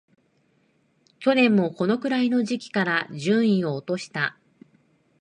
去年もこのくらいの時期から順位を落とした